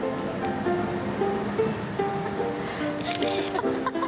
ハハハハ！